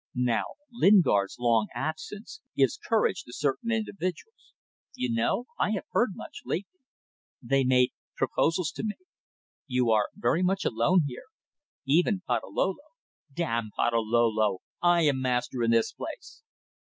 Now Lingard's long absence gives courage to certain individuals. You know? I have heard much lately. They made proposals to me ... You are very much alone here. Even Patalolo ..." "Damn Patalolo! I am master in this place."